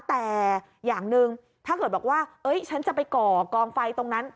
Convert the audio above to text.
แต่อย่างหนึ่งถ้าเกิดบอกว่าฉันจะไปก่อกองไฟตรงนั้น